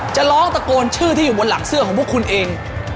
จะร้องตะโกนชื่อที่อยู่บนหลังเสื้อของพวกคุณเอง